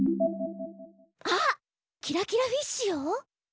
あっキラキラフィッシュよ！